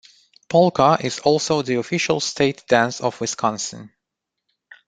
Polka is also the official State Dance of Wisconsin.